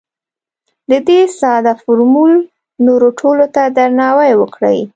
د دې ساده فورمول نورو ټولو ته درناوی وکړئ.